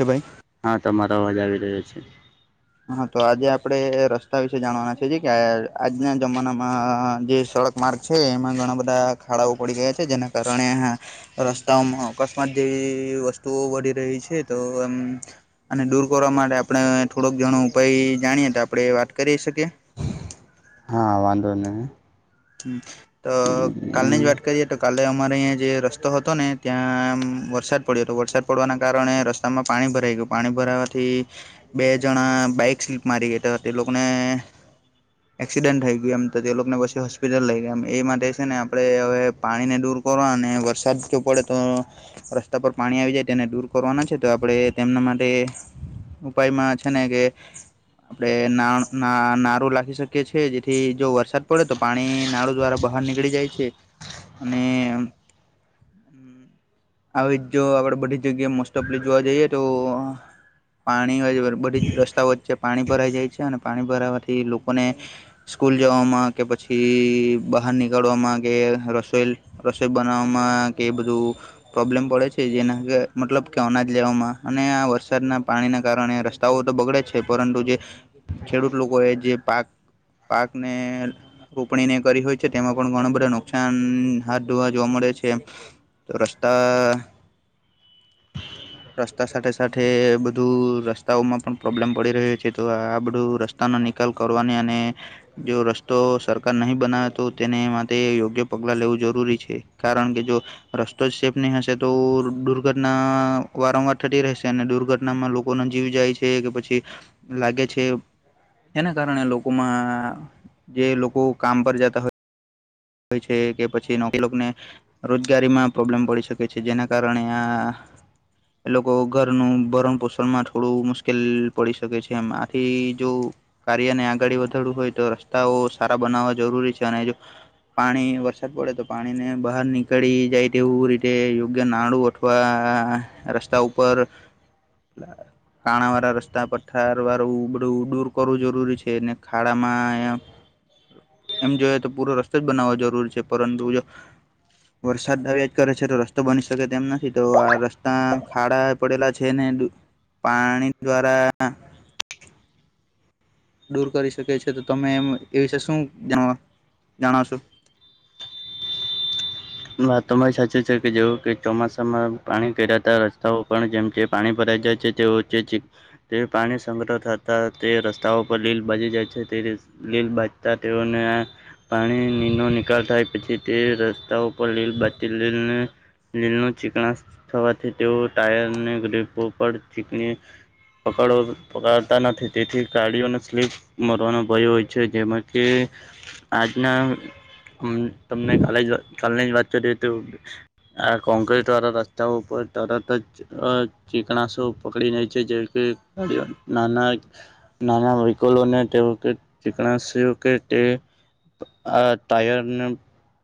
જબાઈ [unintelligible] હા, તમારો અવાજ આવી રહ્યો છે. હા, તો આજે આપડે રસ્તા વિશે જાણવાના છે, જે કે આજના જમાનામાં જે સડક માર્ગ છે એમાં ઘણા બધા ખાડાઓ પડી ગયા છે, જેના કારણે રસ્તાઓમાં અકસ્માત જેવી વસ્તુઓ વધી રહી છે તો એમ અને દૂર કરવા માટે આપણે થોડોક ઘણો ઉપાય જાણીએ તો આપડે એ વાત કરી શકીએ? હા, વાંધો નઈ. હમ, તો કાલની જ નહી વાત કરીએ તો કાલે અમારે અઈયા જે રસ તો હતોને ત્યાં એમ વરસાદ પડ્યો તો. વરસાદ પડવાના કારણે રસ્તામાં પાણી ભરાઈ ગયું. પાણી ભરાવા થી, બે જણા બાઈક સ્લીપ મારી ગઈ તો તે લોકોને એક્સિડન્ટ થઈ ગયુ એમ તો તે લોકોન પસી હો સ્પિટલ લઈ ગયા એમ એ માટે છે ને આપડે હવે પાણીને દૂર કરવા અને વરસાદ જો પડે તો‌ રસ્તા પર પાણી આવી જાય તેને દૂર કરવાના છે તો આપડે તેમના માટે ઉપાયમાં છે ને કે આપડે ના-ના-નારૂ લાખી શકીએ છીએ. જેથી જો વરસાદ પડે તો પાણી નાડુ દ્વારા બહાર નીકળી જાય છે અને આવી જો આપડે બધી જગ્યાએ મોસ્ટ ઓફલી જોવા જઈએ તો પાણી [unintelligible] બધી રસ્તાઓ વચ્ચે પાણી ભરાઈ જાય છે અને પાણી ભરાવાથી લો કોને સ્કૂલ જવામાં કે પછી ઈ બહાર નીકળવામાં કે રસોઈ રસોઈ બનાવવામાં કે બધું પ્રોબ્લેમ પડે છે. જેના મતલબ કે અનાજ લેવામાં અને આ વરસાદના પાણીના કારણે તો બગડે છે પરંતુ જે ખેડૂત લોકો એ જે પાક પાકને રોપણીને કરી હોય છે તેમાં પણ ઘણું બધા નુકસાન હાથ ધોવા જોવા મળે છે. તો રસ્તા રસ્તા સાથે સાથે બધું રસ્તાઓમાં પણ પ્રોબ્લેમ પડી રહ્યો છે તો આ બધું રસ રસ્તાની નિકાલ કરવાની અને જો રસ્તો સરકાર નહીં બનાવે તો તેને માટે યોગ્ય પગલા લેવું જરૂરી છે. કારણ કે જો રસ્તો જ સેફ નહી હશે તો દુર્ઘટના વારંવાર થતી રહેશે અને દુર્ઘટનામાં લોકો ના જીવ જાય છે કે પછી લાગે છે. એના કારણે લોકોમાં જે લોકો કામ પર જતા હોય હોય છે કે પછી [inaudible] રોજગારીમાં પ્રોબ્લેમ પડી શકે છે. જેના કારણે આ એ લોકો ઘરનું ભરણ પોષણમાં થોડું મુશ્કેલ પડી શકે છે એમ આથી જો કાર્યને આગળ વધારવું હોય તો રસ્તાઓ સારા બનાવવા જરૂરી છે અને જો પાણી વરસાદ પડે તો પાણીને બહાર નીકળી જાય તેવું રીતે યોગ્ય નાળુ અથવા રસ્તા ઉપર કાણા વાળા રસ્તા પત્થર વાળું બધુ દૂર કરવું જરૂરી છે. ખાડામાં એમ જોઈએ તો પૂરો રસ્તો જ બનાવવો જરૂરી છે. પરંતુ જો વરસાદ આવ્યાજ કરે છે તો રસ્તો બની શકે તેમ નથી તો આ રસ્તા ખાડા પડેલા છે ને પાણી દ્વારા દૂર કરી શકે છે તો તમે એમ એ વિશે શું જણાવશો? વાત તમારી સાચું છે કે જેવું કે ચોમાસામાં પાણી ઘરાતા રસ્તાઓ પણ જેમ જે પાણી ભરાય છે છે તે છે છે તે પાણી સંગ્રહ થતા તે રસ્તાઓ પર લીલ બાજી જાય છે તે લીલ બાજતા તેઓને આ પાણી ન નિકાલ થાય પછી તે રસ્તાઓ [unintelligible] લીલનુ ચીકણાસ થવાથી તેઓ ટાયરને ગ્રીપ પર ચીકણી પકડ પકડતા નથી તેથી ગાડીઓને સ્લીપ મરવાનો ભય હોય છે. જેમાં કે આજના તમને કાલે કાલેની જ વાત કરી તો આ કોક્રિટ વાળા રસ્તા ઉપર તરત જ અ ચીકણાસો પકડી નઈ છે. જે કે નાના નાના વહીકલોને તે કે ચીકણસ્યો કે તે આ ટાયરને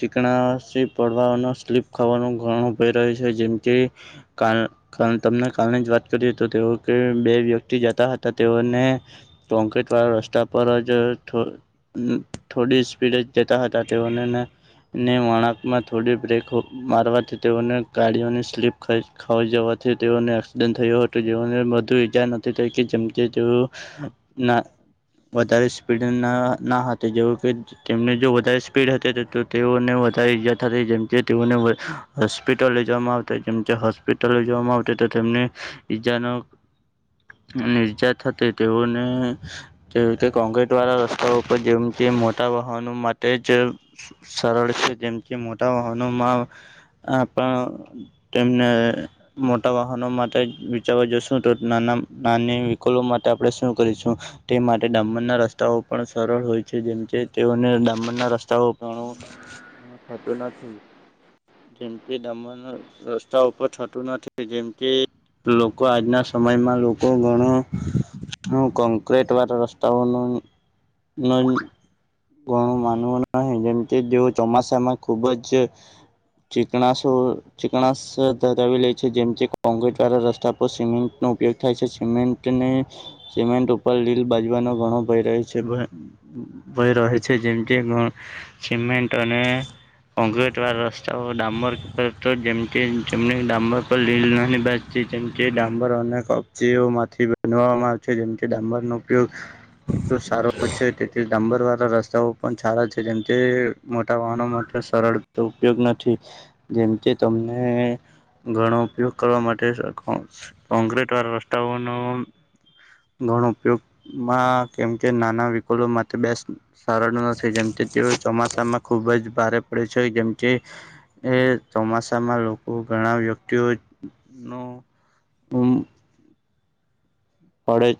ચીકણા [inaudible] પડવાનો સ્લીપ ખાવાનો ઘણો ભય રહે છે જેમકે ક કાર તમને કાલની જ વાત કરી તો તેઓ કે બે વ્યક્તિ જતા હતા તેઓને ટોકેટ વાળા રસ્તા પર જ થ થોડી સ્પીડે જતા હતા તેઓનેને વણા માં થોડી બ્રેક મારવાથી તેઓને ગાડીઓની સ્લીપ ખાઈ ખવા જવાથી તેઓને એક્સિડન્ટ થયો હતો જેઓને વધુ ઈજા નથી થઈ કે જેમ તેઓ ના વધારે સ્પીડ ના ના હતી જેવું કે તેમને જો વધારે સ્પીડ હતી તો તેઓને વધારે ઈજા જેમકે તેઓને હોસ્પિટલ લઈ જવામાં આવતા જેમકે હોસ્પિટલ જવામાં આવતી તો તેમને ઈજાનો નિર્જાથતી તેઓનેતે કોંગ્રીટ વાળા ર જેમ કે મોટા વાહનો માટે જ સરળ છે જેમ કે મોટા વાહનોમાં આ પણ તેમને મોટા વાહનો માટે જોવા જશું તો નાના નાની વિહિકલો માટે આપણે શું કરીશું? તે માટે ડામરના રસ્તાઓ પણ સરળ હોય છે જેમ કે તેઓને ડામરના રસ્તાઓ પણ હતો નથી જેમ કે દમણ રસ્તા ઉપર થતું નથી જેમ કે લો કો આજના સમયમાં લોકો ઘણો હું કોંક્રેટ વારો રસ્તાઓ નો ન ઘણું માનવું નહી જેમ કે જેઓ ચોમાસામાં ખુબ જ ચીકણાસું ચીકણાસ ધરાવી લેય છે જેમ કે કોંક્રેટ વારા રસ્તા પર સિમેન્ટનો ઉપયોગ થાય છે સિમેન્ટની સિમેન્ટ ઉપર લીલ બાજવાનો ઘણો ભય રહે છે ભય રહે છે જેમ કે સિમેન્ટ અને કોંક્રેટ વારા રસ્તાઓ ડામબર તો જેમ જેમ ડામબર પર લીલ ન ની બા જેમકે ડાંબર અને કબજીઓ માંથી બનાવામાં આવે છે જેમકે ડાંબર નો ઉપયોગ [inaudible] તો સારો છે તેથી ડામ્બર વાળા રસ્તાઓ પણ સારા છે જેમ કે મોટા વાહનો સરળ ઉપયોગ નથી જેમ કે તમને ઘણો ઉપયોગ કરવા માટે કોંક્રટ વાળા રસ્તાઓનો ઘણો ઉપયોગમાં કેમ કે નાના વિકલો માટે બેસ સરળ નથી જેમ તેઓ ચોમાસામાં ખુબ જ ભારે પડે છે જેમકે એ ચોમાસામાં લોકો ઘણા વ્યક્તિઓ નું પુમ પડે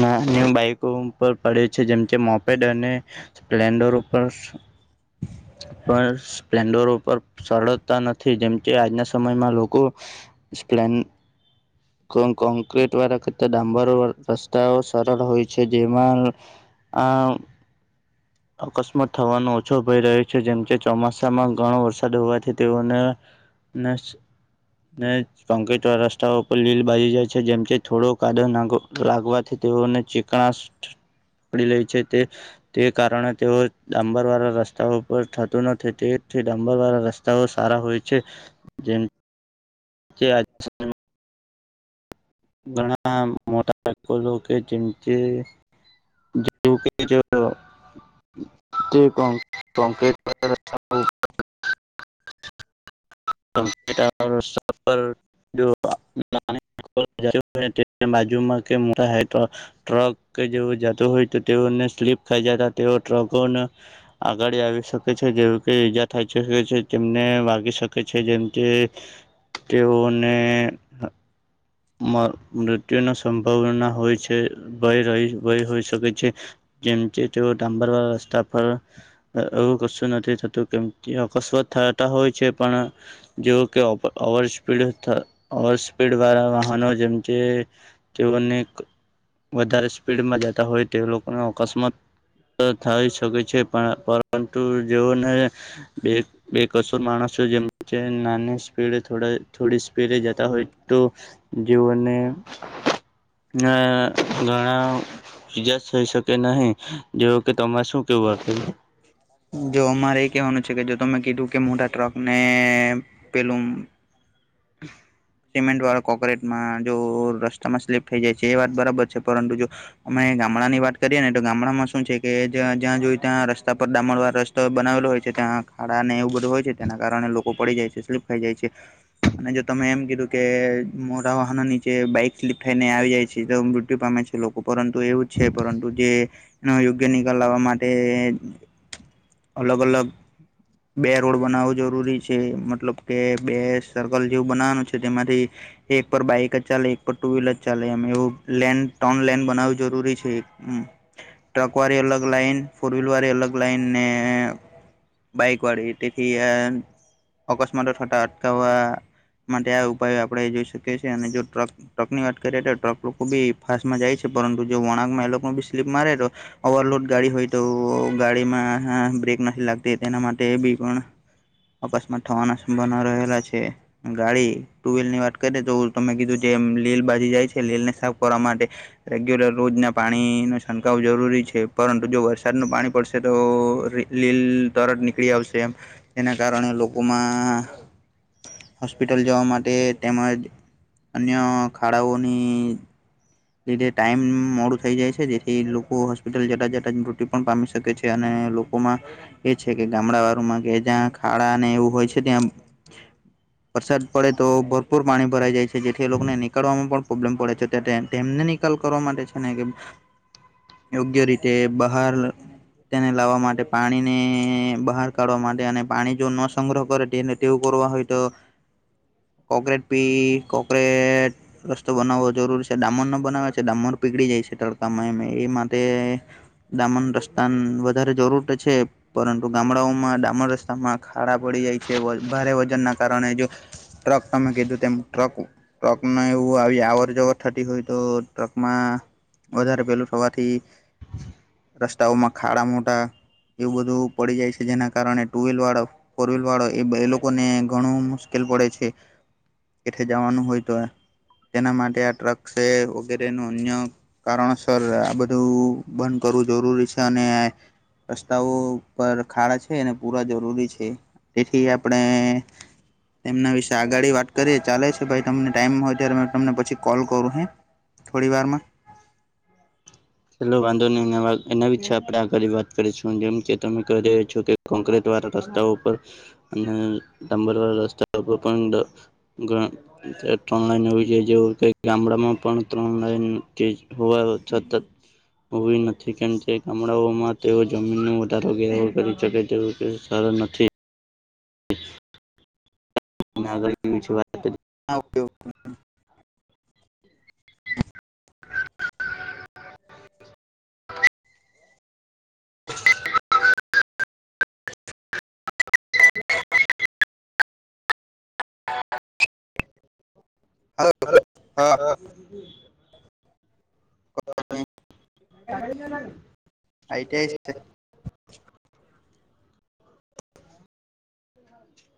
નાની બાઈકો ઉપ પડે છે જેમ કે મોપેડ અને સ્પ્લેન્ડર ઉપર પણ સ્પ્લેન્ડર ઉપર સરળતા નથી જેમ કે આજના સમયમાં લોકો સ્પલેન્ડ કોં કોંક્રેટ વાળા તો ડામ્બર રસ્તાઓ સરળ હોય છે જેમાં આ [inaudible] અકસ્માત થવાનો ઓછો ભય રહ્યો છે જેમ કે ચોમાસામાં ઘણો વરસાદ હોવાથી તેઓને [unintelligible] રસ્તાઓ પર લીલ બાજી જાય છે જેમ થોડોક કાદો લાગવાથી તેઓને ચીકણા પડી લે છે તે તે કારણે તેઓ ડામ્બર વાળા રસ્તા ઉપર થતું નથી તેથી ડાબર વાળા રસ તાઓ સારા હોય છે જેમ કે ઘણા મોટાકો કે જેમ કે [unintelligible] [unintelligible] [unintelligible] [unintelligible] ટ્રક કે જેવુ જાતું હોય તો તેઓને સ્લીપ ખાઈ જતા તેઓ ટ્રકોને આગડી આવી શકે છે જેવું કે ઈજા થાય શકે છે તેમને વાગી શ કે છે જેમ કે તેઓને મૃત્યુની સંભાવના હોય છે ભય રહી ભય હોઈ શકે છે. જેમ કે તે ઓ ડામ્બરવાળા રસ્તા પર એવું કશું નથી થતું કેમ કે અકસ્માત થતા હોય છે પણ જે કે ઓવર સ્પીડ ઓવર સ્પીડ વાળા વાહ હનો જેમ કે તેઓને વધારે સ્પીડમાં જતા હોય તે લોકોને અકસ્માત થઈ શકે છે પણ પરંતુ જેઓને બે કસૂર માણસો જેમ કે નાની સ્પીડ થોડી સ્પીડ જતા હોય તો જેઓને ના ઘણાવ ઇજા થઈ શકે નહી જેવ કે તમારે શું કેવું હતું જો અમારે એ કેહેવાનું છે કે જો તમે કીધું કે મોટા ટ્રક ને પેલુ સિમેન્ટ વાળા કોકરેટમાં જો રસ્તામાં સ્લીપ થઈ જાય છે એ વાત બરાબર છે પરંતુ જો અમે ગામડા ની વાત કરીએ ને તો ગામડામાં શું છે કે જ જ્યાં જોય ત્યાં રસ્તા પર ડામણ વાળા રસ્તા બનાવેલો હોય છે ત્યાં ખાડા ને એવું બધું હોય છે તેના કારણે લોકો પડી જાય છે સ્લીપ ખાઈ જાય છે. અને જો તમે એમ કીધું કે મોટા વાહનો નીચે બાઈક સ્લીપ થઈને આવી જાય છે તો મૃત્યુ પામે છે લોકો પરંતુ એવુ જ છે પરંતુ જેનો યોગ્ય નિકાલ લાવવા માટે એ અલગ અલગ બે રોડ બનાવવો જરૂરી છે મતલબ કે બે સર્કલ જેવું બનાવાનું છે. કે તેમાંથી એક પર બાઈક જ ચાલે એક પર ટુ વ્હીલર જ ચાલે એવું લેન્ડ ત્રણ લેન બનાવવું જરૂરી છે. હમ્મ ટ્રક વાળી અલગ લાઈન ફોર વ્હીલર વાળી અલગ લાઈન ને બાઇકવાળી તેથી અકસ્માતો થતા અટકાવવા માટે આ ઉપાય આપડે જોઈ શકીએ છીએ અને જો ટ્રક ટ્રક ની વાત કરીએ તો ટ્રક લોકો બી ફાસ્ટમાં જાય છે પરંતુ જો વણાંકમાં એ લોકો બી સ્લીપ મારે તો ઓવરલોડ ગાડી હોય તો ગાડીમાં બ્રેક નથી લાગતી તેના માટે બી પણ અકસ્માત થવાના સંભાવના રહેલા છે. ગાડી ટુવિલ ની વાત કરીએ તો તમે કીધું જે લીલ બાજી જાય છે લીલ ને સાફ કરવા માટે રેગ્યુલર રોજના પાણી નુ છંટકાવ જરૂરી છે પરંતુ જો વરસાદનું પાણી પડશે તો લીલ તરત નીકળી આવશે એમ એના કારણે લોકોમાં હોસ્પિટલ જવા માટે તેમજ અન્ય ખાડાઓની લીધે ટાઈમ મોડું થઈ જાય છે જેથી લોકો હોસ્પિટલ જતા જતા મૃત્યું પણ પામી શકે છે. અને લોકોમાં એ છે કે ગામડાવાળુમાં કે જ્યાં ખાડા અને એવું હોય છે ત્યાં વરસાદ પડે તો ભરપૂર પાણી ભરાઈ જાય છે જેથી લોકોને નીકળવામાં પણ પ્રોબ્લેમ પડે છે તો તે તેમને નિકાલ કરવા માટે છે ને કે યોગ્ય રીતે બહાર તેને લાવવા માટે પાણી ને બહાર કાઢવા માટે અને પાણી જો ન સંગ્રહ કરે તેને તેવુ કરવું હોય તો ક્રોકેટ ઈ કોકરેટ રસ્તો બનાવવો જરૂરી છે દામણ નો બનાવ ડામર પીગળી જાય છે તડકામાં એ માટે ડામણનો રસ્તા વધારે જરૂર છે પરંતુ ગામડાઓમાં ડામણ રસ્તા માં ખાડા પડી જાય છે વધારે વજનના કારણે જો ટ્રક તમે કીધું તેમ ટ્રક ટ્રક ને એવું આવી આવર જવર થતી હોય તો ટ્રકમાં વધારે પેલું થવાથી રસ્તાઓમાં ખાડા મોટા એવું બધું પડી જાય છે જેના કારણે ટુ વ્હીલ વાળો ફોર વ્હીલ વાળો એ એ લોકોને ઘણું મુશ્કેલ પડે છે. કેઠે જવાનું હોય તો તેના માટે આ ટ્રક [unintelligible] વગેરે નું અન્ય કારણસર આ બધું આ કરવું જરૂરી છે અને રસ્તાઓ પર ખાડા છે એને પૂરવા જરૂરી છે. તેથી આપણે એમના વિશે આગળડી વાત કરીએ ચાલે છે ભાઈ તમને ટાઈમ હોય ત્યારે તમને પછી કોલ કરું હે થોડી વારમાં હેલો વાંધો ને એ એના વિશે આપણે આગળ વાત કરીશું જેમ કે તમે કહી રહ્યા છો કે કોંક્રટ વાળા રસ્તાઓ ઉપર અને ડાંબર વાળા રસ્તા ઉપર પણ ગણા ત્રણ લઈન એવું જેવુ કે ગામડામાં પણ ત્રણ લા કે હોવા છતા હોવી નથી કેમ કે ગામડાઓમાં તેઓ જમીનનો વધારો ઘેરાવો કરી શકે તેવુ તે સારા નથી હ [inaudible] આગળ [inaudible] હા ઓકે ઓકે એમ. [inaudible] હ [inaudible] હરે આઈટીઆઈ હા આઈ ટેસ્ટ. [inaudible]